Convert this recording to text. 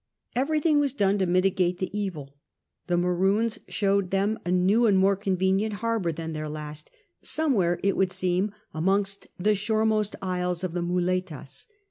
Everything was done to mitigate the evil. The Maroons showed them a new and more convenient harbour than their last, somewhere, it would seem, amongst the shoremost isles of the Muletas.